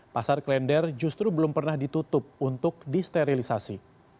pasar klender justru belum pernah ditutup untuk disterilisasi